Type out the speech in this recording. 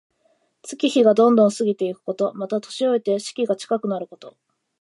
月日がどんどん過ぎていくこと。また、年老いて死期が近くなること。